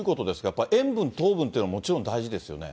やっぱり塩分、糖分っていうのはもちろん大事ですよね。